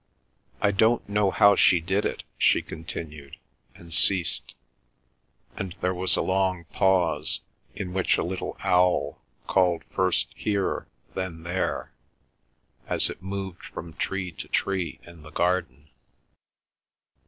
"I don't know how she did it," she continued, and ceased, and there was a long pause, in which a little owl called first here, then there, as it moved from tree to tree in the garden.